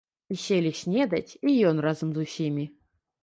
І селі снедаць, і ён разам з усімі.